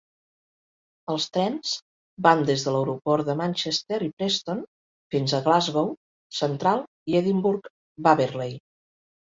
Els trens van des de l'aeroport de Manchester i Preston fins a Glasgow Central i Edimburg Waverley.